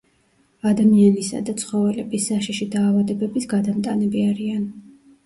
ადამიანისა და ცხოველების საშიში დაავადებების გადამტანები არიან.